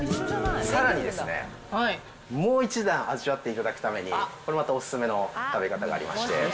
さらにですね、もう一段味わっていただくために、これまたお勧めの食べ方がありまして。